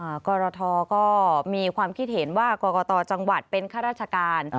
กรทก็มีความคิดเห็นว่ากรกตจังหวัดเป็นข้าราชการ